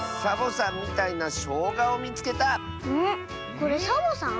これサボさん？